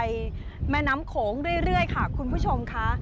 บริวรายมะน้ำโครงเรื่อยค่ะคุณผู้ชมค่ะ